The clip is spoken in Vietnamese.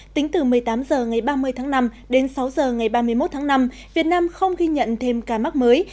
tính từ một mươi tám h ngày ba mươi tháng năm đến sáu h ngày ba mươi một tháng năm việt nam không ghi nhận thêm ca mắc mới